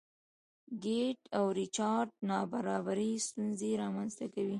کیټ او ریچارډ نابرابري ستونزې رامنځته کوي.